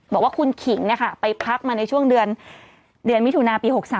บอกว่าคุณขิงไปพักมาในช่วงเดือนมิถุนาปี๖๓